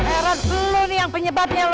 eran lu nih yang penyebabnya